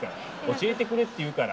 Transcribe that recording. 教えてくれって言うから。